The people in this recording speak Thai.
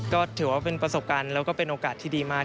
ก็ถือว่าเป็นประสบการณ์แล้วก็เป็นโอกาสที่ดีมาก